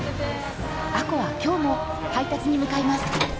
亜子は今日も配達に向かいます